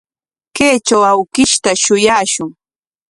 Kaytraw awkishta shuyashun.